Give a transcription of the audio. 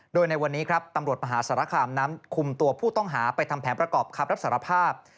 โดยในวันนี้ครับตำรวจมหาสารคามนั้นคุมตัวผู้ต้องหาไปทำแผนประกอบคำรับสารภาพ